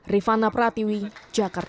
rifana pratiwi jakarta